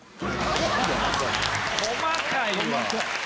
細かいわ。